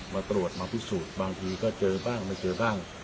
มาตรวจมาพิสูจน์บางทีก็เจอบ้างไม่เจอบ้าง